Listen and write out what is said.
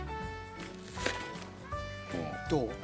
どう？